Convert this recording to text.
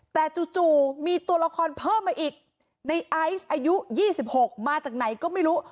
แต่จู่มีตัวละครเพิ่มมาอีกในไอซ์อายุ๒๖มาจากไหนก็ไม่รู้